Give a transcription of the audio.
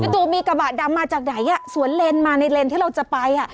จู่มีกระบะดำมาจากไหนสวนเลนมาในเลนที่เราจะไปอ่ะ